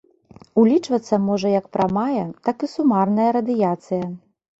Улічвацца можа як прамая, так і сумарная радыяцыя.